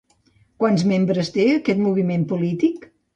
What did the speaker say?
Quants membres té aquest moviment polític?